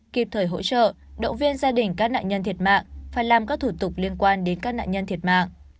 kịp thời hỗ trợ động viên gia đình các nạn nhân thiệt mạng phải làm các thủ tục liên quan đến các nạn nhân thiệt mạng